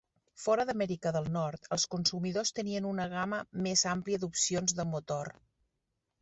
Fora d'Amèrica del Nord, els consumidors tenien una gama més àmplia d'opcions de motor.